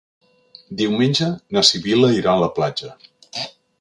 Diumenge na Sibil·la irà a la platja.